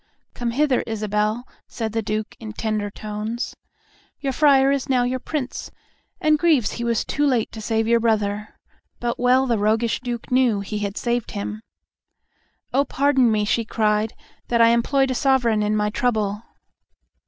"Come hither, Isabel," said the Duke, in tender tones. "Your friar is now your Prince, and grieves he was too late to save your brother;" but well the roguish Duke knew he had saved him. "O pardon me," she cried, "that I employed my Sovereign in my trouble."